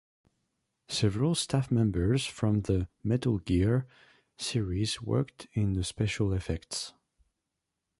Several staff members from the "Metal Gear" series worked in the special effects.